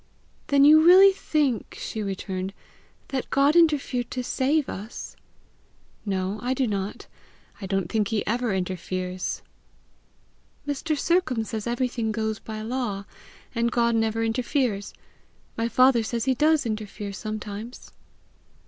"Then you really think," she returned, "that God interfered to save us?" "No, I do not; I don't think he ever interferes." "Mr. Sercombe says everything goes by law, and God never interferes; my father says he does interfere sometimes."